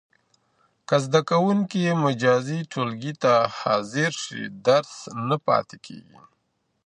که زده کوونکی مجازي ټولګي ته حاضر سي، درس نه پاته کېږي.